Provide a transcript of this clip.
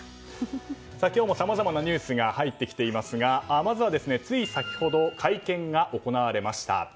今日もさまざまなニュースが入ってきていますがまずはつい先ほど会見が行われました。